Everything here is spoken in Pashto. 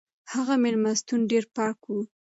هغه مېلمستون ډېر پاک و.